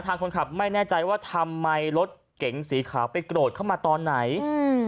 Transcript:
คนขับไม่แน่ใจว่าทำไมรถเก๋งสีขาวไปโกรธเข้ามาตอนไหนอืม